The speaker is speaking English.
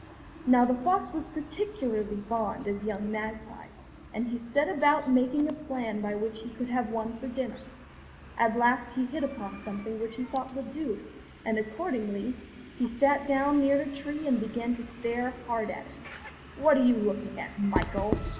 Now the fox was particularly fond of young magpies, and he set about making a plan by which he could have one for dinner. At last he hit upon something which he thought would do, and accordingly he sat down near the tree and began to stare hard at it. "What are you looking at, Michael?"